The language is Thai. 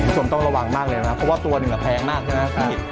ผู้ชมต้องระวังมากเลยนะครับเพราะว่าตัวนึงแพงมากเลยนะครับ